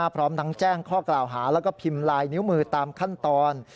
พร้อมทั้งแจ้งข้อกล่าวหาแล้วก็พิมพ์ลายนิ้วมือตามขั้นตอน